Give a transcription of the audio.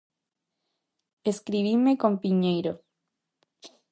Escribinme con Piñeiro.